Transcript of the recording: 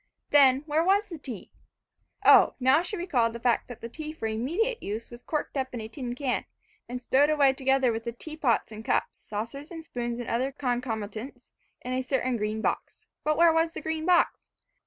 Then, where was the tea? O, now she recalled the fact that the tea for immediate use was corked up in a tin can and stowed away together with the teapot and cups, saucers, spoons and other concomitants, in a certain green box. But where was the green box?